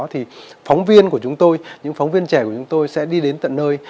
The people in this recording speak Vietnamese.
thì phóng viên của chúng tôi những phóng viên trẻ của chúng tôi sẽ đi đến tận nơi